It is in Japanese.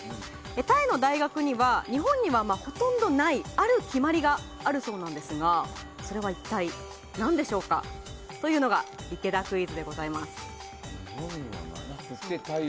タイの大学には日本には、ほとんどないある決まりがあるそうなんですがそれは一体何でしょうかというのが池田クイズです。